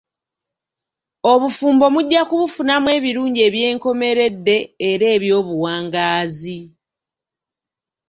Obufumbo mujja kubufunamu ebirungi eby'enkomeredde era eby'obuwangaazi.